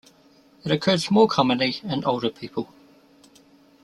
It occurs more commonly in older people.